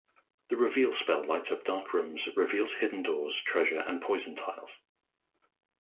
The Reveal spell lights up dark rooms, reveals hidden doors, treasure, and poison tiles.